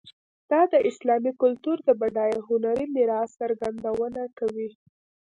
دا د اسلامي کلتور د بډایه هنري میراث څرګندونه کوي.